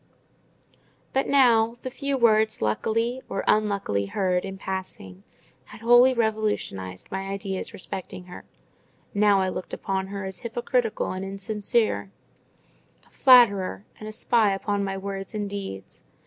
But now, the few words luckily or unluckily heard in passing had wholly revolutionized my ideas respecting her: now I looked upon her as hypocritical and insincere, a flatterer, and a spy upon my words and deeds.